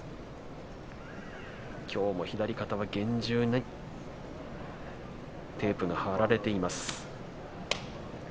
きょうも左肩は厳重にテープが貼られています。